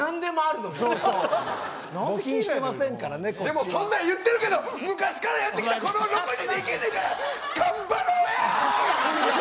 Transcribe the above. でもそんなの言ってるけど昔からやってきたこの６人で、できるんやから頑張ろうや。